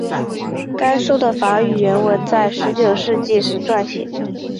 该书的法语原文在十九世纪时撰写。